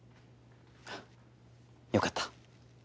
よかった。